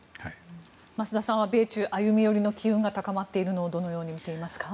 増田さんは米中歩み寄りの機運が高まっているのをどのように見ますか。